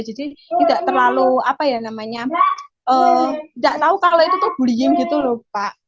jadi tidak terlalu apa ya namanya tidak tahu kalau itu tuh bullying gitu loh pak